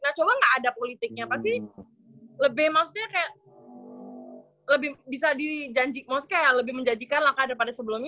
nah coba nggak ada politiknya pasti lebih maksudnya kayak lebih bisa dijanjikan maksudnya kayak lebih menjanjikan lah kak daripada sebelumnya